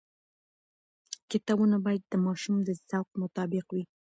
کتابونه باید د ماشوم د ذوق مطابق وي.